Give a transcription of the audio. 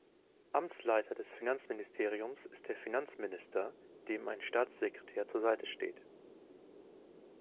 Amtsleiter des Finanzministeriums ist der Finanzminister, dem ein Staatssekretär zur Seite steht.